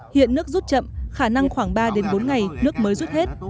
hiện nước rút chậm khả năng khoảng ba bốn ngày nước mới rút hết